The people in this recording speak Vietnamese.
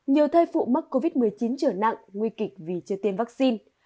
nhiều thai phụ mắc covid một mươi chín trở nặng nguy kịch vì chưa tiêm vaccine